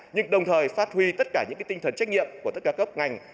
nhưng đồng thời phát huy tất cả những tinh thần trách nhiệm của tất cả cấp ngành